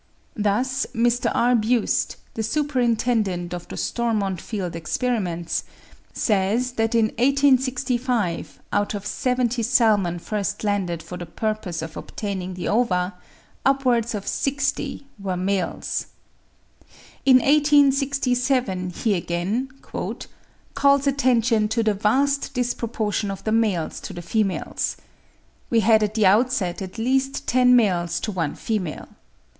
Thus Mr. R. Buist, the superintendent of the Stormontfield experiments, says that in 1865, out of 70 salmon first landed for the purpose of obtaining the ova, upwards of 60 were males. In 1867 he again "calls attention to the vast disproportion of the males to the females. We had at the outset at least ten males to one female."